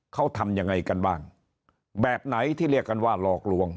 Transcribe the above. เขาทำยังไงกันบ้างแบบไหนที่เรียกกันว่าหลอกลวง